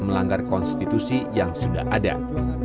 enggak pernah setahu saya enggak pernah